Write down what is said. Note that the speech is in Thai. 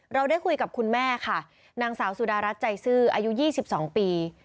เราได้คุยกับคุณแม่ค่ะนางสาวสุดารัฐใจซื่ออายุ๒๒ปี